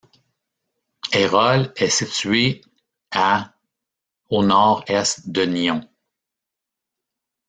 Eyroles est située à au nord-est de Nyons.